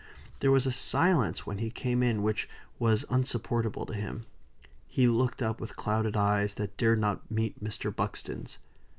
There was a silence when he came in which was insupportable to him. He looked up with clouded eyes, that dared not meet Mr. Buxton's.